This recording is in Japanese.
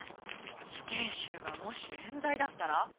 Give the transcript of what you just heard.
死刑囚がもし冤罪だったら。